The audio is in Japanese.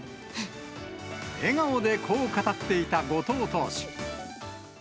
笑顔でこう語っていた後藤投手。